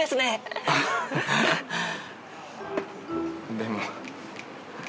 でも。